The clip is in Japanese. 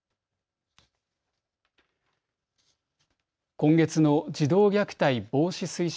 今月の児童虐待防止推進